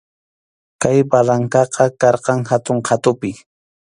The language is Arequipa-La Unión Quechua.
Kay barracaqa karqan hatun qhatupi.